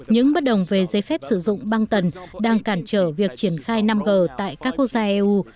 những bất đồng về giấy phép sử dụng băng tần đang cản trở việc triển khai năm g tại các quốc gia eu